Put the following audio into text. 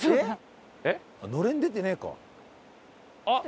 あっ！